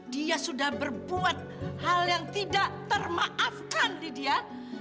dia sudah berbuat hal yang tidak termaafkan lydia